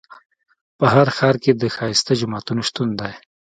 په هر ښار کې د ښایسته جوماتونو شتون دی.